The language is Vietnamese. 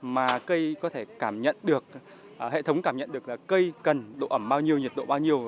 mà cây có thể cảm nhận được hệ thống cảm nhận được là cây cần độ ẩm bao nhiêu nhiệt độ bao nhiêu